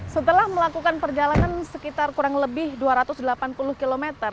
setelah melakukan perjalanan sekitar kurang lebih dua ratus delapan puluh km